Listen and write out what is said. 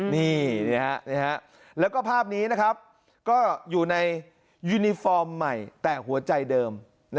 นี่แล้วก็ภาพนี้นะครับก็อยู่ในยูนิฟอร์มใหม่แต่หัวใจเดิม